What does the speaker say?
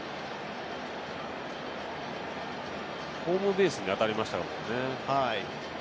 ホームベースに当たりましたもんね。